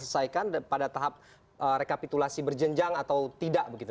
atau sudah bisa diselesaikan pada tahap rekapitulasi berjenjang atau tidak begitu